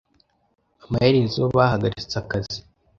Amaherezo, bahagaritse akazi.